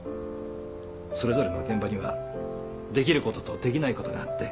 それぞれの現場にはできることとできないことがあって。